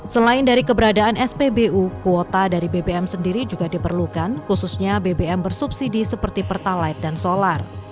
selain dari keberadaan spbu kuota dari bbm sendiri juga diperlukan khususnya bbm bersubsidi seperti pertalite dan solar